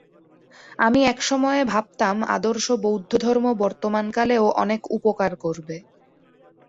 আমি এক সময়ে ভাবতাম, আদর্শ বৌদ্ধধর্ম বর্তমানকালেও অনেক উপকার করবে।